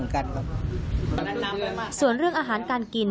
คือค่าขายครับ